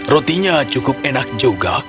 rotinya cukup enak juga